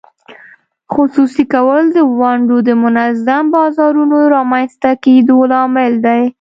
خصوصي کول د ونډو د منظم بازارونو رامینځته کېدو لامل دی.